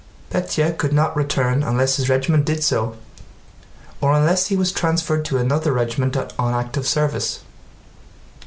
Pétya could not return unless his regiment did so or unless he was transferred to another regiment on active service.